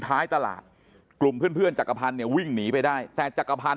ท้ายตลาดกลุ่มเพื่อนเพื่อนจักรพันธ์เนี่ยวิ่งหนีไปได้แต่จักรพันธ